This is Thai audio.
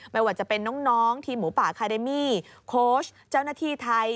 ไม่ว่าจะเป็นน้องทีมหมูป่าคาเดมี่โค้ชเจ้าหน้าที่ไทย